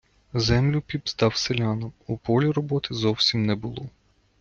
Землю піп здав селянам, - у полі роботи зовсім не було.